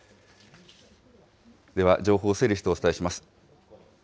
では情報を整理してお伝えします。